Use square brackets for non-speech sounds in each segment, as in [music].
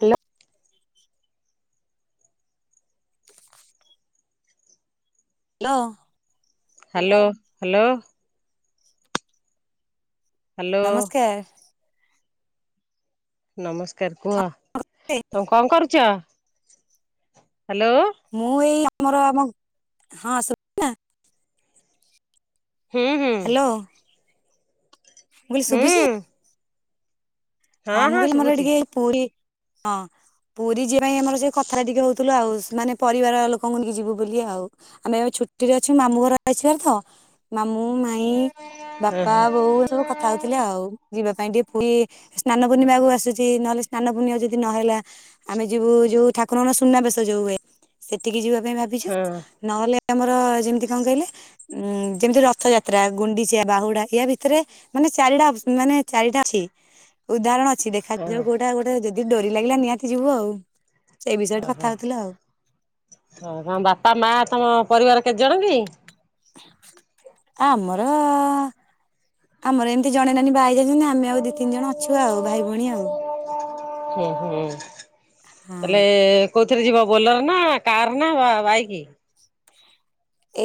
ହେ [unintelligible] hello. Hello hello. Hello ନମସ୍କାର। ନମସ୍କାର କୁହ, ତମେ କଣ କରୁଛ? ହାଲୋ ମୁଁ ଏଇ ଆମର ଆମ ଖାନ୍ସ ହୁଁ ହୁଁ। ହ୍ୟାଲୋ ମୁଁ କହିଲି ହୁଁ ଶୁଭୁଛି। ହଁ ମୁଁ କହିଲି ମୋର ଏ ଟିକେ ପୁରୀ, ହଁ। ପୁରୀ ଯିଏ ପାଇଁ ଆମର ଯେ କଥାଟା ଟିକେ ହଉଥିଲୁ, ଆଉ ଶ୍ ମାନେ ପରିବାର ଲୋକଙ୍କୁ ନେଇିକି ଯିବୁ ବୋଲି ଆଉ, ଆମେ ଏବେ ଛୁଟିରେ ଅଛୁ ମାମୁଁ ଘର ଆସିବାର ତ ମାମୁଁ, ମାଇଁ, ହଁ ବାପା, ବୋଉ ଏ ସବୁ କଥା ହଉଥିଲେ ଆଉ, ଯିବା ପାଇଁ ଟିକେ ପୁଲୀ। ସ୍ନାନ ପୂର୍ଣ୍ଣିମାକୁ ଆସୁଛି ନହଲେ ସ୍ନାନ ପୂର୍ଣ୍ଣିମା ଯଦି ନହେଲା, ଆମେ ଯିବୁ ଯୋଉ ଠାକୁରଙ୍କ ସୁନାବେଶ ଯୋଉ ହୁଏ। ସେଠିକି ଯିବା ପାଇଁ ଭାବିଛୁ, ହଁ ନହେଲେ ଆମର ଯେମିତି କଣ କହିଲେ? ଉଁ ଯେମିତି ରଥଯାତ୍ରା, ଗୁଣ୍ଡିଚା, ବାହୁଡା ୟା ଭିତରେ ମାନେ ଚାରିଟା ଅ -ମାନେ ଚାରିଟା ଅଛି। ଉଦାହରଣ ଅଛି ହଁ ହଁ ଦେଖାଯାଉ କୋଉଟା ଗୋଟେ ଯଦି ଡୋରି ଲାଗିଲା ନିହାତି ଯିବୁ ଆଉ। ସେଇ ବିଷୟରେ କଥା ଓହୋ ହଉଥିଲୁ ଆଉ। ତମ ବାପା ମା ତମ ପରିବାର କେତେ ଜଣ କି? ଆମର ଆମର ଏମିତି ଜଣେ ନାନି ବାହା ହୋଇଯାଇଛନ୍ତି, ଆମେ ଆଉ ଦି ତିିନି ଜଣ ଅଛୁ ଆଉ ଭାଇ ଭଉଣୀ ଆଉ। [unintelligible] ହୁ ହୁ ହଁ ତାହେଲେ କୋଉଥିରେ ଯିବ ବୋଲର ନା, କାର ନା ବା ବାଇକ୍?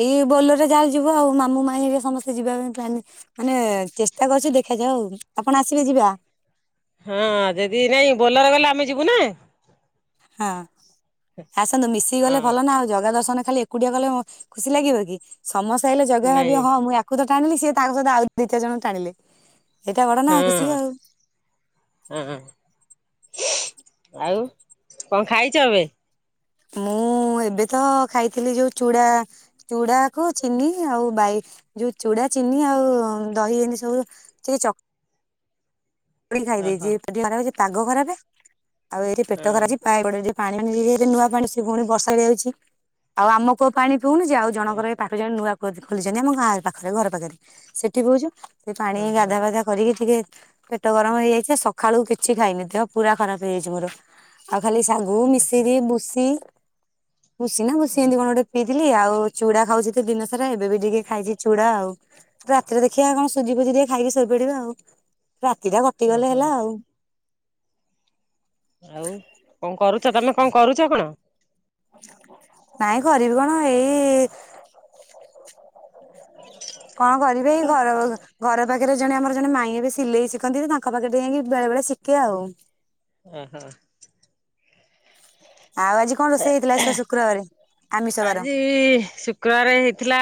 ଏଇ ବୋଲର ରେ ଯାହା ଯିବୁ ଆଉ, ମାମୁ, ମାଇଁ ହେରିକା ସମସ୍ତେ ଯିବା ପାଇଁ ପ୍ଲାନ ମାନେ ଚେଷ୍ଟା କରୁଛୁ ଦେଖାଯାଉ, ଆପଣ ଆସିବେ ଯିବା। ହଁ ଯଦି ନାଇଁ ବୋଲର ଗଲେ ଆମେ ଯିବୁ ନା। ହଁ ଆସନ୍ତୁ ମିଶିକି ଗଲେ ହଁ ଭଲନାଉ, ଜଗା ଦର୍ଶନ ଖାଲି ଏ ଏକୁଟିଆ ଗଲେ ଖୁସି ଲାଗିବ କି, ସମସ୍ତେ ଆଇଲେ ଜଗା ନାଇଁ ଭାବିବ ହଁ ମୁଁ ଆ ଆକୁ ତ ଟାଣିଲି ସେ ତାଙ୍କ ସହିତ ଆଉ ଦି ଚାରି ଜଣଙ୍କୁ ଟାଣିଲେ, ଏଇଟା ବଡ ନାଁ ଖୁସି ହଁ ଆଉ। ହଁ ଆଉ କଣ ଖାଇଛ ଏବେ? ମୁଁ ଏବେତ ଖାଇଥିଲି ଯୋଉ ଚୁଡା ଚୁଡାକୁ ଚିନି ଆଉ ବାଇ ଯୋଉ ଚୁଡା, ଚିନି ଆଉ ଦହି ଏମିତି ସବୁ ଚ ଚକୁଡି ଖାଇ ଓହୋ ଦେଇଚି [unintelligible] ଆଜି ପାଗ ଖରାପ ଆଉ ହଁ ଏଇଠି [unintelligible] ପାଣି ନୂଆ ପାଣି ସେ ପୁଣି ବର୍ଷା ହେଇଯାଉଛି, ଆଉ ଆମ କୂଅ ପାଣି ପିଉନି ଯେ ଆଉ ଜଣ ଙ୍କର ଏ ପାଟ ହଁ [unintelligible] ନୂଆଁ କୂଅ ଖୋଲିଛନ୍ତି ଆମ ଗାଁ ପାଖରେ ଘର ପାଖରେ ସେଠି ପିଉଛୁ ସେ ପାଣିରେ। ହଁ ଗାଧୁଆପାଧୁଆ କରିକି ଟିକେ ପେଟ ଗରମ ହେଇଯାଇଛି, ସକାଳୁ କିଛି ଖାଇନି ଦେହ ପୁରା ଖରାପ ହେଇଯାଇଛି ମୋର। ଆଉ ଖାଲି ଶାଗୁ, ମିଶିରି, ବୁସି, ବୁସି ନା ବୁସି ଏମିତି କଣ ଗୋଟେ ପିଇଥିଲି, ଆଉ ଚୁଡା ଖାଉଛି ତ ଦିନସାରା ଏବେ ବି ଟିକେ ଖାଇଛି ଚୁଡ଼ା ଆଉ। ରାତିରେ ଦେଖିବା କଣ ସୁଜି ଫୁଜି ଟିକେ ଖାଇକି ଶୋଇପଡିବା, ଆଉ ରାତିଟା କଟିଗଲେ ଓହୋ ହେଲା ଆଉ। ଆଉ କଣ କରୁଛ, ତମେ କଣ କରୁଛ କଣ? [unintelligible] ନାଇଁ କରିବି କଣ ଏଇ। କଣ କରିବି ଏଇ ଘର ଘର? ଘର ପାଖରେ ଜଣେ ଆମର ଜଣେ ମାଇଁ ଏବେ ସିଲେଇ ଶିଖନ୍ତି ତ ତାଙ୍କ ପାଖରେ ଯାଇକି ବେଳେ ବେଳେ ଶିଖେ ଆଉ। ଓ ହୋ। ଆଉ ଆଜି କଣ ରୋଷେଇ ହେଇଥିଲା? ଆଜି ତ ଶୁକ୍ରବାର ଆମିଷ ବାର? ହେ ସୁ ଶୁକ୍ରବାରେ ହେଇଥିଲା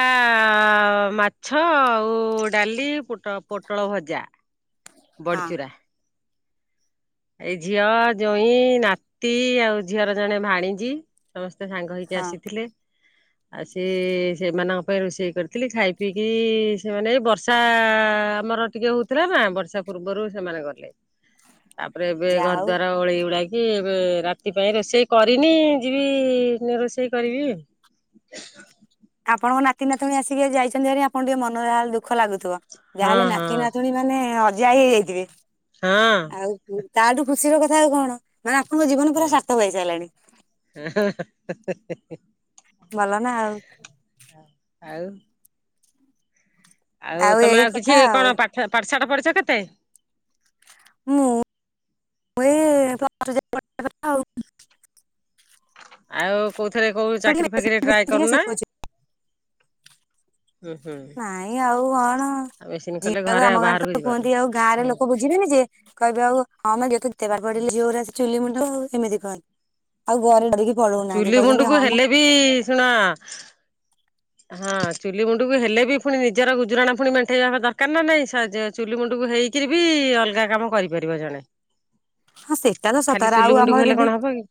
ମାଛ ଆଉ ଡାଲି ପୋଟ-ପୋଟଳ ଭଜା। ବଢ଼ି ହଁ ଚୁରା। ଏଇ ଝିଅ ଜୋଇଁ ନାତି ଆଉ ଝିଅର ଜଣେ ଭାଣିଜୀ ସମସ୍ତେ ସାଙ୍ଗ। ସାଙ୍ଗ ହେଇକି ହଁ ଆସିଥିଲେ। ଆ ସେ ସେମାନଙ୍କ ପାଇଁ ରୋଷେଇ କରିଥିଲି ଖାଇ ପିଇକି ସେମାନେ ଏଇ ବର୍ଷା ଆମର ଟିକେ ହଉଥିଲା ନା ବର୍ଷା ପୂର୍ବରୁ ସେମାନେ ଗଲେ ତାପରେ ଏବେ ଯା ଘର ହଉ ଦ୍ୱାର ଓଳେଇ ଓଳା କି। କି ଏବେ ରାତି ପାଇଁ ରୋଷେଇ କରିନି ଯିବି ରୋଷେଇ କରିବି। ଆପଣଙ୍କ ନାତି ନାତୁଣି ଆସିକି ଯାଇଛନ୍ତି ହେରି ଆପଣ ଟିକେ ମନ ଯାହେଲେ ଦୁଃଖ ଲାଗୁଥିବ ଯାହା ହଁ ହେଲେ ହଁ ନାତି ନାତୁଣୀ। ମାନେ ଅଜା ଆଇ ହେଇଯାଇଥିବେ। ହଁ। ଆଉ ତାଠୁ ଖୁସିର କଥା ଆଉ କଣ ମାନେ ଆପଣଙ୍କ ଜୀବନ ପୁରା ସାର୍ଥକ ହେଇ ସାରିଲାଣି। ହେ ହେ ହେ ଭଲ ନା ଆଉ। ହ ଆଉ। ଆଉ ତମେ ଏଇ ଆଉ କଥା କିଛି ଆଉ କଣ ପାଠ ପାଠଶାଠ ପଢ଼ିଛ କେତେ? ମୁଁ। ଏ ପ୍ଲସ ଟୁ ଯାଏଁ ପଢିବା କଥା ଆଉ। ଆଉ କୋଉଥିରେ କୋଉ ଚାକିରୀ ଫାକିରୀ ଟ୍ରାଏ ଟିକେ କରୁନା? ଶିଖୁଛି ହୁଁ ହୁଁ ନାଇଁ ଆଉ କଣ ଆଉ ମେସିନ୍ ଝିଅ କଲେ ତ ଆଉ ଆମ ଘରେ ବାହାରକୁ ତ ଯିବନି। କୁହନ୍ତି ଆଉ ଗାଁରେ ଲୋକ ବୁ ଯିବିନି ଯେ କହିବେ ଆଉ ହଁ ବା ଯେତେ ପାଠ ପଡିଲେ ଝିଅ ଚୁଲି ମୁଣ୍ଡକୁ ଏମିତି କହନ୍ତି। ଆଉ ଘରେ ଡରିକି ପଢ଼ଉ ନାହାନ୍ତି ଚୁଲି ମୁଣ୍ଡକୁ କହୁଛନ୍ତି ହଁ ମ। ହେଲେ ବି ସୁଣ। ହଁ ଚୁଲି ମୁୁଣ୍ଡକୁ ହେଲେ ବି ପୁଣି ନିଜର ଗୁଜୁରଣା ପୁଣି ମେଣ୍ଟେଇବା ଦରକାର ନା ନାଇ ସାହାଯ୍ୟ। ଚୁଲି ମୁଣ୍ଡକୁ ହେଇକିରି ବି ଅଲଗା କାମ କରିପାରିବ ଜଣେ। ହଁ ସେଇଟା ତ ଖାଲି ସତରେ ଚୁଲି ଆଉ ମୁଣ୍ଡକୁ ଆମର ହେଲେ ଯଦି କଣ ହବ କି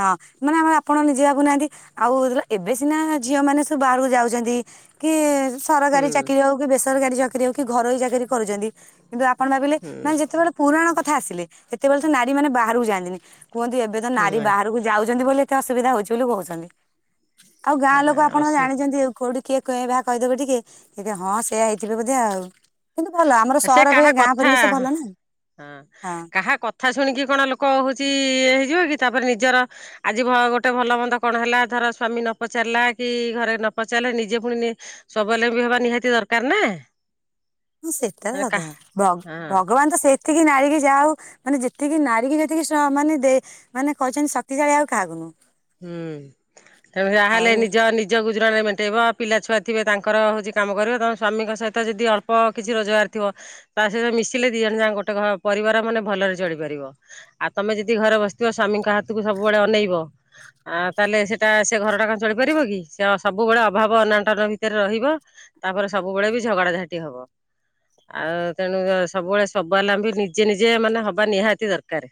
ହଁ ମାନେ ଆପଣ ନିଜେ ଭାବୁନାହାନ୍ତି ଆଉ ଏବେ ସିନା ଝିଅ ମାନେ ସବୁ ବାହାରକୁ ଯାଉଛନ୍ତି। କିଏ। ସରକାରୀ ହୁଁ। ଚାକିରୀ ହଉ କି ବେସରକାରୀ ଚାକିରୀ ହଉ କି ଘରୋଇ ଚାକିରୀ କରୁଛନ୍ତି। କିନ୍ତୁ ଆପଣ ଭାବିଲେ ମାନେ ହୁଁ ଯେତେବେଳେ ପୁରାଣ କଥା ଆସିଲେ ସେତେବେଳେ ତ ନାରୀ ମାନ ବାହାରକୁ ଯାଆନ୍ତିନି। କୁହନ୍ତି ଏବେ ତ ନାରୀ ନାଇଁ ବାହାରକୁ ଯାଉଛନ୍ତି ବୋଲି ଏତେ ଅସୁବିଧା ହଉଛି ବୋଲି କହୁଛନ୍ତି। ଆଉ ଗାଁ ନା ଲୋକ ଆପଣ ଅସୁବିଧା ଜାଣିଛନ୍ତି, କୋଉଠି କିଏ କହିବ ହ କହିଦେବ ଟିକେ ହଁ ସେଆ ହେଇଥିବେ ବୋଧେ ଆଉ। କିନ୍ତୁ ଭଲ ଆମର ସେ ସହର ପରି କାହା ଗାଁ କଥା ପରିବେଶ ହଁ ଭଲ ନା ହଁ। କାହା କଥା ଶୁଣିକି କଣ ଲୋକ ହେଉଛି ଇଏ ହେଇଯିବ କି ତାପରେ ନିଜର ଆଜି ଭ ଗୋଟେ ଭଲ ମନ୍ଦ କଣ ହେଲା ଧର ସ୍ଵାମୀ ନ ପଚାରିଲା କି ଘରେ ନ ପଚାରିଲେ ନିଜେ ପୁଣି ନି ସ୍ୱାବଲମ୍ବୀ ହେବା ନିହାତି ଦରକାର ନା। ହଁ ସେଟା ହଁ କଥା ଭ-ଭଗବାନ ତ ସେ ତିକି ନାରୀ କି ଯାହା ହଉ ମାନେ ଯେତିକି ନାରୀ କି ଯେତିକି ସ ମାନେ ଦେ ମାନେ କହିଛନ୍ତି ଶକ୍ତିଶାଳୀ ଆଉ କାହାକୁ ନୁହଁ। ହୁଁ ତ ଆଉ ଯାହାହେଲେ ଏ ନିଜ ନି ନିଜ ଗୁଜୁରାଣ ମେଣ୍ଟେଇବ ପିଲା ଛୁଆ ଥିବେ ତାଙ୍କର ହଉଛି କାମ କରିବ ତମ ସ୍ୱାମୀଙ୍କ ସହିତ ଯଦି ଅଳ୍ପ କିଛି ରୋଜଗାର ଥିବ। ତା ସହିତ ମିଶିଲେ ଦି ଜାଣ ଯାକ ଗୋଟେ ଘ ପରିବାର ମାନେ ଭଲରେ ଚଳି ପାରିବ। ଆଉ ତମେ ଯଦି ଘରେ ବସିଥିବ ସ୍ୱାମୀଙ୍କ ହାତକୁ ସବୁବେଳେ ଅନେଇବ। ଆଉ ତାହେଲେ ସେଇଟା ସେ ଘର ଟା କଣ ଚଳିପାରିବ କି ସେ ସବୁବେଳେ ଅଭାବ ଅନାଟନ ଭିତରେ ରହିବ। ତାପରେ ସବୁବେଳେ ବି ଝଗଡା ଝାଟି ହବ। ଆଉ ତେଣୁ ଅ ସବୁବେଳେ ସ୍ବାବଲମ୍ବି ନିଜେ ନିଜେ ମାନେ ହବା ନିହାତି ଦରକାର୍।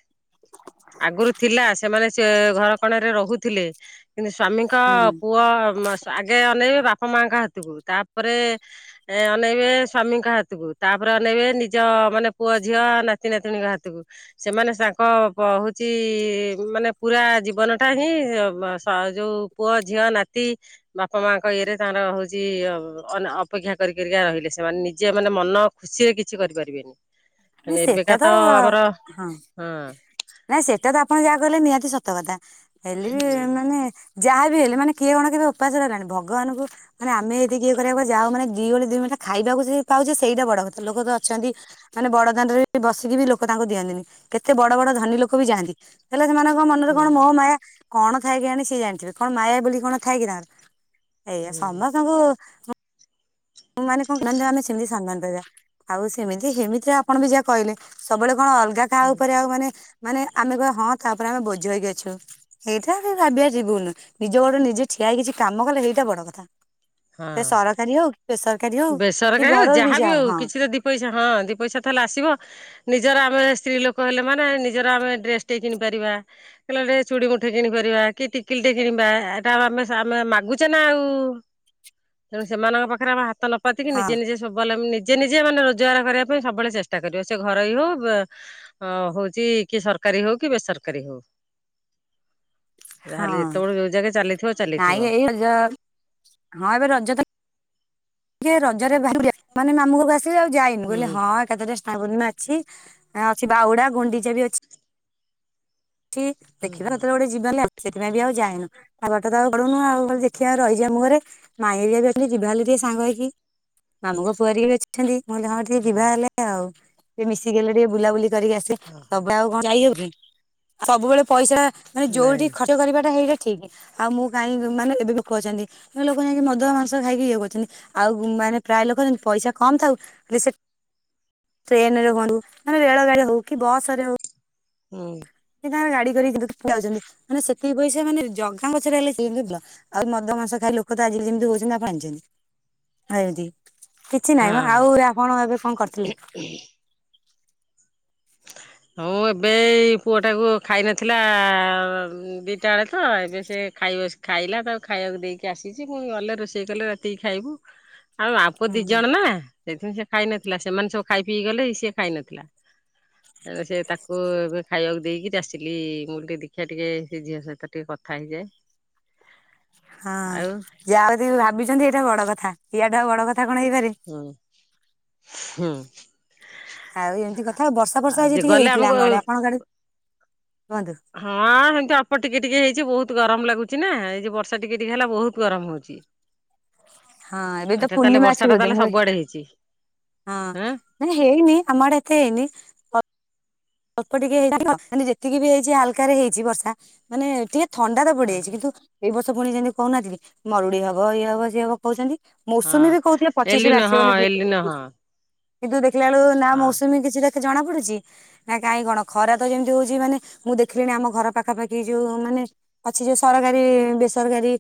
ଆଗୁରୁ ଥିଲା ସେମାନେ ସେ ଘର କଣରେ ରହୁଥିଲେ କିନ୍ତୁ ସ୍ଵାମୀଙ୍କ ହୁଁ ପୁଅ ମ ଆଗେ ଅନେଇବେ ବାପା ମାଆଙ୍କ ହାତକୁ ତାପରେ ଏ ଅନେଇବେ ସ୍ୱାମୀଙ୍କ ହାତକୁ ତାପରେ ଅନେଇବେ ନିଜ ମାନେ ପୁଅ, ଝିଅ, ନାତି, ନାତୁଣୀଙ୍କ ହାତକୁ। ସେମାନେ ତାଙ୍କ ପ ହଉଚି ମାନେ ପୁରା ଜୀବନ ଟା ହିଁ ମ ସ ଯୋଉ ପୁଅ, ଝିଅ, ନାତି ବାପା ମାଆଙ୍କ ଇଏରେ ତାର ହଉଚି ଅ ଅନ ଅପେକ୍ଷା କରିି କରିକା ରହିଲେ ସେମାନେ ନିଜେ ମାନେ ମନ ଖୁସିରେ କିଛି କରି ପାରିବେନି। ନାଇଁ ସେଟା ତ ହଁ। ନାଇଁ ସେଟା ତ ଆପଣ ଯାହା କହିଲେ ନିହାତି ସତ କଥା ହେଲେ ବି ମାନେ ଯାହା ବି ହେଲେ ମାନେ କିଏ କଣ କେବେ ଉପାସ ରହିଲାଣି ଭଗବାନଙ୍କୁ ମାନେ ଆମେ ଏଇଟି କିଏ କରି ହବ ଯାହା ହଉ ମାନେ ଦି ଓଳି ଦି ମୁଠା ଖାଇବାକୁ ସିଏ ପାଉଚି ସେଇଟା ବଡ କଥା ଲୋକ ତ ଅଛନ୍ତି ମାନେ ବଡ ଦାଣ୍ଡରେ ବି ବସିକି ବି ଲୋକ ତାଙ୍କୁ ଦିଅନ୍ତିନି କେତେ ବଡ ବଡ ଧନୀ ଲୋକ ବି ଯାଆନ୍ତି। ହେଲେ ସେମାନଙ୍କ ମନରେ ହୁଁ କଣ ମୋହ ମାୟା କଣ ଥାଏ କେଜାଣି ସିଏ ଜାଣିଥିବେ କଣ ମାୟା ବୋଲି କଣ ଥାଏ କି ତାର। ଏଇଆ ହୁଁ ସମସ୍ତଙ୍କୁ ଉଁ ମାନେ କଣ ମାନେ ଆମେ ସେମିତି ସମ୍ମାନ ପାଇବା। ଆଉ ସେମିତି ହେମିତିରେ ଆପଣ ବି ଯାହା କହିଲେ ସବୁବେଳେ କଣ ଅଲଗା କାହା ହୁଁ। ଉପରେ ଆଉ ମାନେ ମାନେ ଆମେ କହିବା ହଁ ତା ଉପରେ ଆମେ ବୋଝ ହେଇକି ଅଛୁ। ହେଇଟା ବି ଭାବିଆ ଯିବୁନୁ ନିଜ ଗୋଡରେ ନିଜେ ଠିଆ ହେଇ କିଛି କାମ କଲେ ହେଇଟା ବଡ କଥା। ସେ ହଁ ସରକାରୀ ହଉ କି ବେସରକାରୀ ହଉ। କି ବେସରକାରୀ ହଉ ଘରୋଇ ବି ଯାହାବି ଯାହା ହଉ କିଛି ତ ଦି ପଇସା ହଁ ଦି ପଇସା ତ ହେଲେ ଆସିବ। ନିଜର ଆମେ ସ୍ତ୍ରୀ ଲୋକ ହେଲେ ମାନେ ନିଜର ଆମେ ଡ୍ରେସ ଟେ କିଣି ପାରିବା। କିଲ ଟେ ଚୁଡି ମୁଠେ କିଣିପାରିବା କି ଟିକିଲି ଟେ କିଣିବା ଏଇଟା ଆଉ ଆମେ ସା ଆମେ ମାଗୁଚେ ନା ଆଉ। ତେଣୁ ସେମାନଙ୍କ ପାଖେରେ ଆମେ ହାତ ନ ପାତିକି ହଁ ନିଜେ ନିଜେ ସ୍ୱାବଲମ୍ବୀ ନିଜେ ନିଜେ ମାନେ ରୋଜଗାର କରିବା ପାଇଁ ସବୁବେଳେ ଚେଷ୍ଟା କରିବ ସେ ଘରୋଇ ହଉ ବା ଅ ହଉଚି କି ସରକାରୀ ହଉ କି ବେସରକାରୀ ହଉ। ହଁ ଯାହେଲେ ଯେତେବେଳେ ଯୋଉ ଜାଗା ଚାଲିଥିବ ଚାଲିଥିବ। ଯାହା ହଁ ଏବେ ରଜ ତ ଟିକେ ରଜରେ ବାହାରେ [inaudible] ମାନେ ମାମୁଁ ଘରୁକୁ ଆସିବି ଆଉ ଯାଇ ମୁଁ କହିଲି ହୁଁ। ହଁ ଏକାଥରେ ସ୍ନାନ ପୂର୍ଣ୍ଣିମା ଅଛି ଆ ଅଛି ବାହୁଡା ଗୁଣ୍ଡିଚା ବି ଅଛ୍ ଛି ହୁଁ ଦେଖିବା ହୁଁ କୋଉ ଦିନ ଗୋଟେ ବି ବୋଲି ସେଥିପାଇଁ ବି ଆଉ ଯାଇନୁ ଆଉ ପାଠ ତ ଆଉ ପଢୁନୁ ଆଉ ହଉ ଦେଖିଆ ଆଉ ରହିଚି ମାମୁଁ ଘରେ। ମାଇଁ ଏରିଆ ବି ଅଛନ୍ତି ଯିବା ହେଲେ ଟିକେ ସାଙ୍ଗ ହେଇକି ମାମୁଁଙ୍କ ପୁଅ ହରିକା ବି ଅଛନ୍ତି ମୁଁ କହିଲି ହଉ ସ ହଁ ବିବାହ ହେଲେ ଆଉ ସିଏ ମିଶିଗଲେ ଟିକେ ବୁଲାବୁଲି କରିକି ଆସେ ହଁ। ତମେ ଆଉ କଣ ଯାଇହବ କି। ସବୁବେଳେ ପଇସା ମାନେ ଯୋଉଠି ନାଇଁ ଖର୍ଚ୍ଚ କରିବାଟା ହେଇଟା ଠିକ। ଆଉ ମୁଁ କାଇହିଁକି ମାନେ ଏବେ ବି ଲୋକ ଅଛନ୍ତି। ଲୋକ ଯାଇକି ମଧୁଆ ମାଂସ ଖାଇକି ଇଏ କରୁଚନ୍ତି ଆଉ ମାନେ ପ୍ରାୟ ଲୋକଛନ୍ତି ପଇସା କମ ଥାଉ ସେ ଟ୍ରେନରେ ହୁଅନ୍ତୁ ମେ ରେଳ ଗାଡି ହଉ କି ବସ ରେ ହଉ ହୁଁ। ସେ ତାଙ୍କର ଗାଡି କରିକି ପ ଯାଉଚନ୍ତି ମାନେ ସେତିକି ପଇସା ମାନେ ଜଗା ପଛରେ ହେଲେ ସେ ଆଉ ମଦ ମାଂସ ଖାଇ ଲୋକ ତ ଆଜି ଯେମିତି ହଉଚନ୍ତି ଆପଣ ଜାଣିଚନ୍ତି। ଏମିତି କିଛି ନାହିଁ ମ। ହଁ। ଆଉ ରା ଆପଣ ଏବେ କଣ କରିଥିଲେ। ହଁ ଏବେଇ ପୁଅଟାକୁ ଖାଇ ନଥିଲା ଦିଟା ବେଳେ ତ ଏବେ ସେ ଖାଇବସେ ଖାଇଲା ତାଉ ଖାଇବାକୁ ଦେଇକି ଆସିଚି ପୁଣି ମୁଁ ଗଲେ ରୋଷେଇ କଲେ ରାତିକି ଖାଇବୁ। ଆଉ ମା ପୁଅ ଦି ଜଣ ନା ସେଇଥିନି ସେ ଖାଇନଥିଲା ସେମାନେ ସବୁ ଖାଇ ପିଇ ଗଲେ ସେ ଖାଇନଥିଲା। ସେ ତାକୁ ଏବେ ଖାଇବାକୁ ଦେଇକି ଆସିଲି ମୁଁ ଟିକେ ଦେଖିବା ଟିକେ ସେ ଝିଅ ସହିତ ଟିକେ କଥା ହେଇଯାଏ। [inaudible] ହଁ ଆଉ ଜାହା ବି ଭାବିଚନ୍ତି ଏଇଟା ବଡ କଥା ଇଆଠୁ ଆଉ ବଡ କଥା କଣ ହେଇପାରେ। ହୁଁ ହୁଁ। ଆଉ ଏମିତି କଥା ଆଉ ବର୍ଷା ବର୍ଷା ଆଜି ଯେ ଟିକେ ଗଲେ ହେଇଥିଲା ଆମକୁ ଆମ ହଁ ଆଡ ଆପଣଙ୍କ ଆଡେ କୁହନ୍ତୁ। ହଁ ଏମିତି ଅଳ୍ପ ଟିକେ ଟିକେ ହେଇଚି ବହୁତ ଗରମ ଲାଗୁଚି ନା ଏଇ ଯେ ବର୍ଷା ଟିକେ ଟିକେ ହେଲା ବହୁତ ଗରମ ହଉଚି। ହ ହଁ ଏବେ ତ ପୂର୍ଣ୍ଣିମା ଅଛି ଟା ବଧେ ତାହେଲେ ମୁଁ ଏ ସବୁଆଡେ ହେଇଛି ହଁ। ନା ହେଇନି ଆମ ଆଡ଼େ ଏତେ ହେଇନି। ଅଳ୍ପ ଟିକେ ହେଇ ନା ମାନେ ଯେତିକି ବି ହେଇଚି ହାଲାକା ରେ ହେଇଚି ବର୍ଷା ମାନେ ଟିକେ ଥଣ୍ଡା ତ ଆଁ। ବଢିଯାଇଚି। କିନ୍ତୁ ଏଇ ବର୍ଷ ପୁଣି ଯେମିତି କହୁନ ଥିଲେକି ମରୁଡ଼ି ହବ ଇଏ ହବ ସିଏ ହବ କହୁଚନ୍ତି। ମୌସୁମୀ ହଁ ବି କହୁଥିଲେ ପଚିଶ ରୁ ଏଲିନ ଆସିବ ହଁ ବୋଲି ଏଲିନ ହଁ [unintelligible] କିନ୍ତୁ ଦେଖିଲା ବେଳୁ ନା ହଁ ମୌସୁମୀ କିଛି ଦେଖି ଜଣା ପଡୁଚି। ନା କାହିଁ କଣ ଖରା ତ ଯେମିତି ହଉଚି ମାନେ ମୁଁ ଦେଖିଲିଣି ଆମ ଘର ପାଖାପାଖି ଯୋଉ ମାନେ ଅଛି ଯୋଉ ସରକାରୀ ବେସରକାରୀ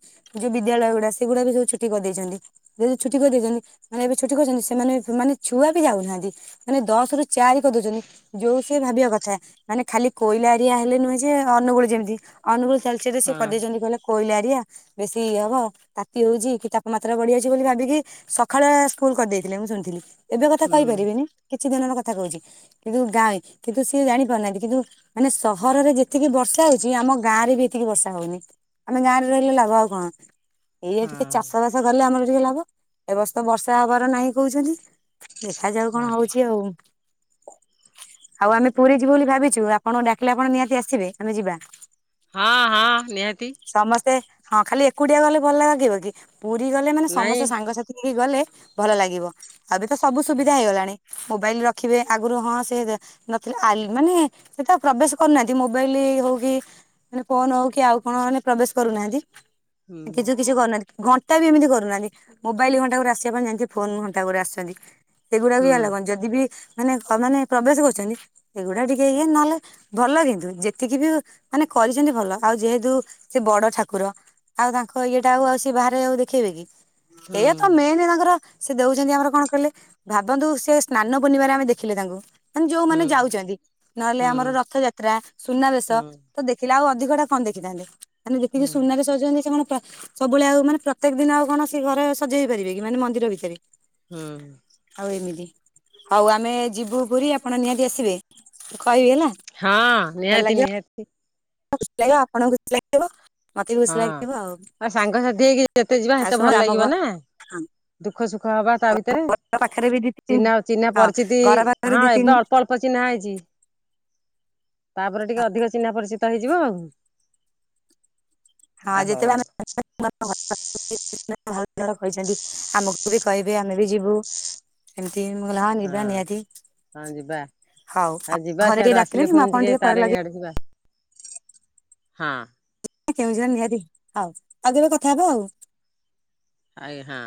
ଯୋଉ ବିଦ୍ୟାଳୟ ଗୁଡା ସେଗୁଡା ବି ସବୁ ଛୁଟି କରିଦେଇଚନ୍ତି। ଯଦି ଛୁଟି କରିଦେଇଚନ୍ତି ମାନେ ଏବେ ଛୁଟି କରୁଚନ୍ତି ସେମାନେ ମାନେ ଛୁଆ ବି ଯାଉନାହାନ୍ତି। ମାନେ ଦଶ ରୁ ଚାରି କରିଦଉଚନ୍ତି ଯୋଉ ଭାବିବା କଥା ମାନେ ଖାଲି କୋଇଲା ଏରିଆ ହେଲେ ନୁହେଁ ଯେ ଅନୁଗୁଳୁ ଯେମିତି ଅନୁୁଗୁଳୁ ତାଳଚେର ରେ ସିଏ ହଁ କରିଦେଇଚନ୍ତି କହିଲେ କଇଲା ଏରିଆ ବେଶୀ ଇଏ ହବ ତାତି ହଉଚି କି ତାପମାତ୍ରା ବଢି ଯାଉଚି ବୋଲି ଭାବିକି ସକାଳୁଆ ସ୍କୁଲ କରିଦେଇଥିଲେ ମୁଁ ଶୁଣିଥିଲି। ଏବେ କଥା ହୁଁ କହିପାରିବିନି କିଛି ଦିନର କଥା କହୁଚି କିନ୍ତୁ ଗାଁ କିନ୍ତୁ ସିଏ ଜାଣି ପାରୁନାହାନ୍ତି। କିନ୍ତୁ ମାନେ ସହରରେ ଯେତିକି ବର୍ଷା ହଉଚି ଆମ ଗାଁ ରେ ବି ହେତିକି ବର୍ଷା ହଉନି। ଆମେ ଗାଁରେ ରହିଲେ ଲଭ ଆଉ କଣ? ଏଇଆ ଟିକେ ଚାଷ ହଁ ବାସ କଲେ ଆମର ଟିକେ ଲାଭ। ଏ ବର୍ଷ ତ ବର୍ଷା ହବାର ନାହିଁ କହୁଚନ୍ତି। ଦେଖାଯାଉ କଣ ହଉଚି ଆଉ। ଆଉ ଆମେ ପୁରୀ ଯିବୁ ବୋଲି ଭାବିଛୁ ଆପଣଙ୍କୁ ଡାକିଲେ ଆପଣ ନିହାତି ଆସିବେ ଆମେ ଯିବା। ହଁ ହଁ ନିହାତି ସମସ୍ତେ ହଁ ଖାଲି ଏକୁଟିଆ ଗଲେ ଭଲ ଲାଗିବ କି। ପୁରୀ ଗଲେ ମାନେ ସମସ୍ତେ ନାଇଁ ସାଙ୍ଗସାଥି ହେଇ କି ଗଲେ ଭଲ ଲାଗିବ ଆଉ ଏବେ ତ ସବୁ ସୁବିଧା ହେଇଗଲାଣି। ମୋବାଇଲ ରଖିବେ ଆଗରୁ ହଁ ସେ ନଥିଲେ ଆଲ୍ ମାନେ ସେତେ ପ୍ରବେଶ କରୁନାହାନ୍ତି ମୋବାଇଲ ହଉ କି ମାନେ ଫୋନ ହଉ କି ଆଉ କଣ ମାନେ ପ୍ରବେଶ କରୁନାହାନ୍ତି ହୁଁ କିଛି କରୁନାହାନ୍ତି। ତାବି ଏମିତି କରୁନାହାନ୍ତି ମୋବାଇଲ ଘଣ୍ଟାକୁ ଆସିବା ପାଇଁ ଯାଇଁକି ଫୋନ ଘଣ୍ଟାକୁ ପରେ ଆସିଛନ୍ତି ସେଗୁଡାକ ବି ହୁଁ ଆଲାଉ କରୁ ଯଦି ଯିବି ମାନେ ମାନେ ପ୍ରବେଶ କରୁଛନ୍ତି ସେଗୁଡା ଟିକେ ଇଏ ନହେଲେ ଭଲ କିନ୍ତୁ ଯେତିକି ବି ମାନେ କରିଛନ୍ତି ଭଲ ଆଉ ଯେହେତୁ ସେ ବଡ ଠାକୁର ଆଉ ତାଙ୍କ ଇଏଟା ଆଉ ଆଉ ସେ ବାହାରେ ଆଉ ଦେଖେଇବେ କି, ହୁଁ ଏଇ ତ ମେନ ତାଙ୍କର ସେ ଦଉଛନ୍ତି ଆମର କଣ କହିଲେ ଭାବନ୍ତୁ ସେ ସ୍ନାନ ପୂର୍ଣ୍ଣିମା ରେ ଆମେ ଦେଖିଲେ ତାଙ୍କୁ ମାନେ ଯୋଉମାନେ ହୁଁ ଆଉଛନ୍ତି ନହେଲେ ହୁଁ ଆମର ରଥଯାତ୍ରା, ସୁନାବେଶ ହୁଁ ତ ଦେଖିଲା ଆଉ ଅଧିକ ଟା କଣ ଦେଖିଥାନ୍ତେ ମାନେ ଦେଖିକି ହୁଁ ସୁନାରେ ସଜନ୍ତି ସେ କଣ ପ୍ର ସବୁବେଳେ ଆଉ ମାନ ପ୍ରତ୍ୟେକ ଦିନ ଆଉ କଣ ସେ ଘରେ ସଜ ହେଇ ପାରିବେ କି ମାନେ ମନ୍ଦିର ଭିତରେ। ହୁଁ। ଆଉ ଏମିତି ହଉ ଆମେ ଯିବୁ ପୁରୀ ଆପଣ ନିହାତି ଆସିବେ। କହିବି ହେଲା ଭଲ ଲାଗିବ। ହ ଖୁସି ଲାଗିବ ଆପଣଙ୍କୁ ଖୁସି ଲାଗିବ। ମତେ ବି ହଁ ଖୁସି ଲାଗିବ ଆଉ ସାଙ୍ଗସାଥି ହେଇକି ଯେତେ ଯିବା ଆଉ ସେତେ ଶୁଣ ଭଲ ଆମ ଲାଗିବ ଘ ନା। ଘର ଦୁଃଖ ସୁଖ ହବା ତା ଭିତରେ ପାଖରେ ବି ଦି ତିନି ଚିହ୍ନା ଅ ଚିହ୍ନା ହଁ ପରିଚିତି ଘର ପାଖରେ ହଁ ଦି ତିନି ଏବେ ଅଳ୍ପ ଅଳ୍ପ ଅଳପ ଚିହ୍ନା ହେଇଛି ତାପରେ ଟିକେ ଅଧିକ ଚିହ୍ନା ପରିଚିତ ହେଇଯିବ ଆଉ। ହଁ ଆଉ ହଉ ଯେତେବେଳେ ଆ ଭହୁତ୍ କହିଛନ୍ତି ଆମକୁ ବି କହିବେ ଆମେ ବି ଯିବୁ। ଏମତି ମୁଁ କହିଲି ହଁ ନିବା ନିିହାତିି। ହଁ ଯିବା ଆଉ ଯିବା ସିଆଡୁ ଆସିଲେ ପୁଣି ଆପଣ ଟିକେ ପରେ ତାରିଣୀ ଲଗେଇ ଆଡେ ଯିବା, ହଁ। କେଉଁଝର ନିହାତି ହଉ ଆଉ କେବେ କଥା ହବା ଆଉ। ଆଇ ହଁ।